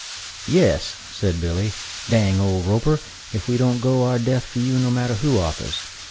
"Yes," said Billy, "dang old Roper if we don't go our death for you, no matter who offers.